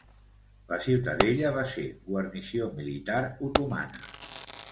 La ciutadella va ser guarnició militar otomana.